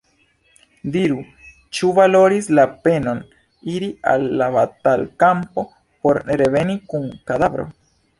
Diru, ĉu valoris la penon iri al la batalkampo por reveni kun kadavro?”